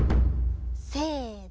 せの。